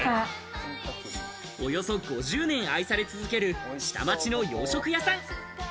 およそ５０年愛され続ける下町の洋食屋さん。